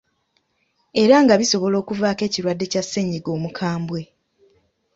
Era nga bisobola okuvaako ekirwadde kya ssennyiga omukambwe.